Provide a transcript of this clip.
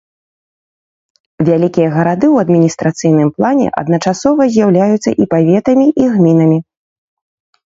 Вялікія гарады ў адміністрацыйным плане адначасова з'яўляюцца і паветамі, і гмінамі.